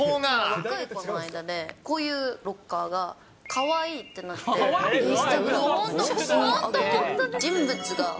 若い子の間で、こういうロッカーがかわいいってなって、インスタグラムに写真上げてる。